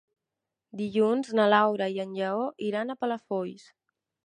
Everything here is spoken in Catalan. Dilluns na Laura i en Lleó iran a Palafolls.